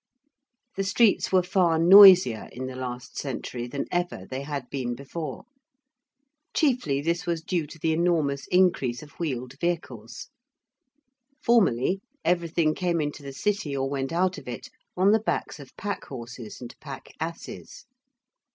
The streets were far noisier in the last century than ever they had been before. Chiefly, this was due to the enormous increase of wheeled vehicles. Formerly everything came into the City or went out of it on the backs of pack horses and pack asses.